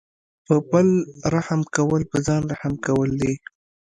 په بل رحم کول په ځان رحم کول دي.